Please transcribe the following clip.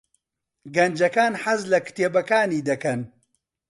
گەنجەکان حەز لە کتێبەکانی دەکەن.